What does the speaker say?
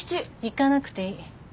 行かなくていい。